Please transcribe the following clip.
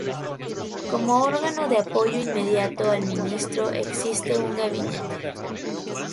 Como órgano de apoyo inmediato al ministro existe un Gabinete.